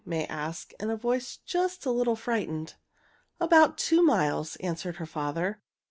May asked, in a voice just a little frightened. "About two miles," answered her father.